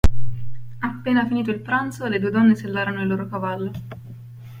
Appena finito il pranzo le due donne sellarono il loro cavallo.